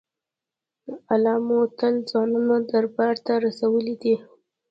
علماوو تل ځانونه دربار ته رسولي دي.